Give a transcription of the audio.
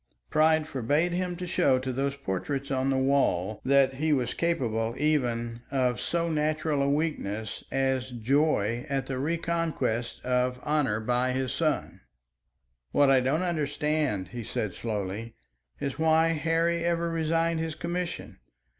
Pride forbade him to show to those portraits on the walls that he was capable even of so natural a weakness as joy at the reconquest of honour by his son. "What I don't understand," he said slowly, "is why Harry ever resigned his commission.